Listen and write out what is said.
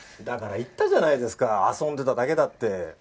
だから言ったじゃないですか遊んでただけだって。